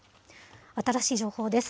新しい情報です。